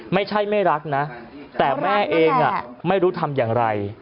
ไม่ใช่ไม่รักนะแต่แม่เองไม่รู้ทำอย่างไร